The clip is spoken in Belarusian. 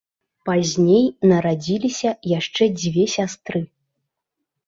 Пазней нарадзіліся яшчэ дзве сястры.